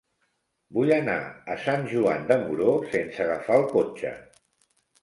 Vull anar a Sant Joan de Moró sense agafar el cotxe.